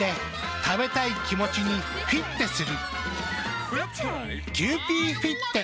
食べたい気持ちにフィッテする。